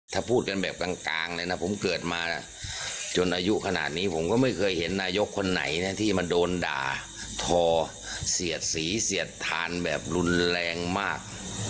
ถ้าพูดกันแบบกลางเลยนะผมเกิดมาจนอายุขนาดนี้ผมก็ไม่เคยเห็นนายกคนไหนนะที่มาโดนด่าทอเสียดสีเสียดทานแบบรุนแรงมาก